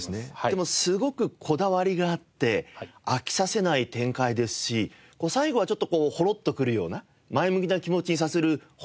でもすごくこだわりがあって飽きさせない展開ですし最後はちょっとこうホロッとくるような前向きな気持ちにさせるホントいいストーリーですよね。